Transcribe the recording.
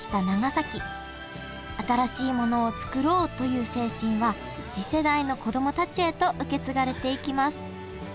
新しいものを作ろうという精神は次世代の子供たちへと受け継がれていきます